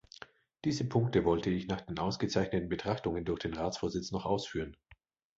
Diese Punkte wollte ich nach den ausgezeichneten Betrachtungen durch den Ratsvorsitz noch ausführen.